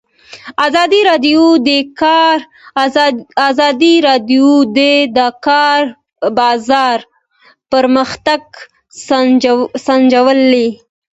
ازادي راډیو د د کار بازار پرمختګ سنجولی.